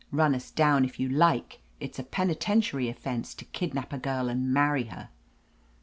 Run us down if you like. It's a penitentiary offense to kidnap a girl and marry her.'